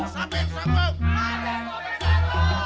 siapa yang sanggup